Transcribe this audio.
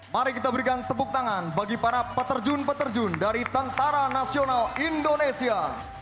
mari kita berikan tepuk tangan bagi para peterjun peterjun dari tentara nasional indonesia